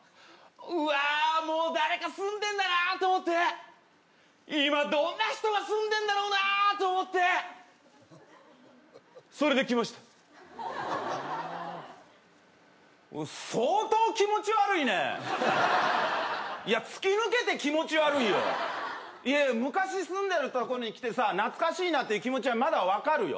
「うわあもう誰か住んでんだな」と思って「今どんな人が住んでんだろうな」と思ってそれで来ました相当気持ち悪いねいや突き抜けて気持ち悪いよ昔住んでたとこに来てさ懐かしいなって気持ちはまだ分かるよ